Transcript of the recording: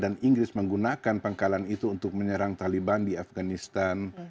dan inggris menggunakan pengkalan itu untuk menyerang taliban di afganistan